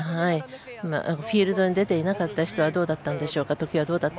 フィールドに出ていなかった人はどうだったんでしょうか。